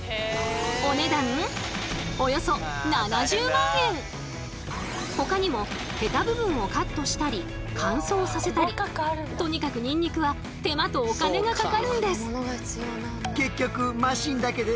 お値段ほかにもヘタ部分をカットしたり乾燥させたりとにかくニンニクは手間とお金がかかるんです。